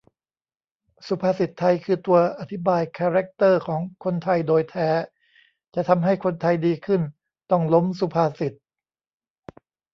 สุภาษิตไทยคือตัวอธิบายคาร์แร็คเตอร์ของคนไทยโดยแท้ จะทำให้คนไทยดีขึ้นต้องล้มสุภาษิต